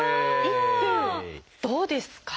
１分どうですか？